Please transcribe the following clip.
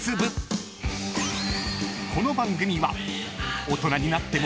［この番組は］